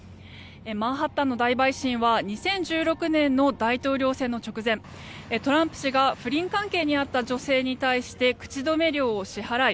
マンハッタンの大陪審は２０１６年の大統領選の直前トランプ氏が不倫関係にあった女性に対して口止め料を支払い